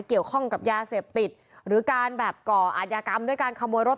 เกี่ยวข้องกับยาเสพติดหรือการแบบก่ออาจยากรรมด้วยการขโมยรถ